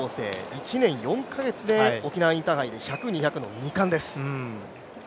１年４か月で沖縄インターハイで１００、２００の２冠です。